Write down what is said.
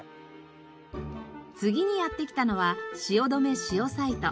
次にやって来たのは汐留シオサイト。